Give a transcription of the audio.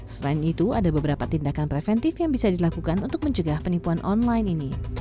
selain itu ada beberapa tindakan preventif yang bisa dilakukan untuk mencegah penipuan online ini